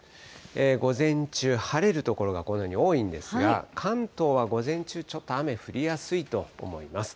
午前中、晴れる所がこのように多いんですが、関東は午前中、ちょっと雨、降りやすいと思います。